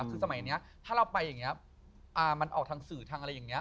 คือสมัยนี้ถ้าเราไปอย่างนี้มันออกทางสื่อทางอะไรอย่างนี้